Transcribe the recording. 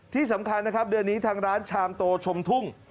ที่สำคัญนะครับเดือนนี้ทางร้านชามโตชมทุ่ง